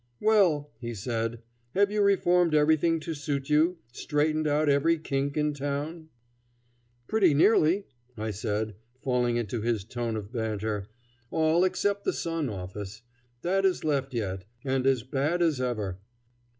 "Well," he said, "have you reformed everything to suit you, straightened out every kink in town?" "Pretty nearly," I said, falling into his tone of banter; "all except the Sun office. That is left yet, and as bad as ever."